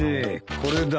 これだ。